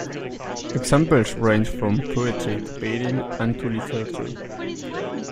Examples range from poetry to painting and to literature.